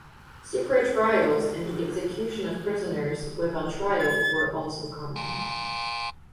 Secret trials and the execution of prisoners without trial were also common.